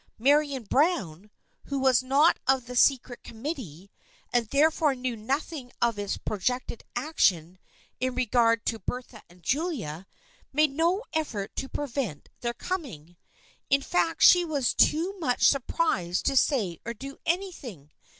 Marian Browne, who was not of the secret com mittee, and therefore knew nothing of its projected action in regard to Bertha and Julia, made no ef fort to prevent their coming. In fact she was too much surprised to say or do anything.